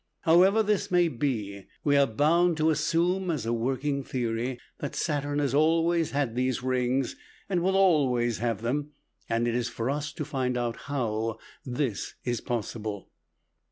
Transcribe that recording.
However this may be, we are bound to assume as a working theory that Saturn has always had these rings, and will always have them; and it is for us to find out how this is possible.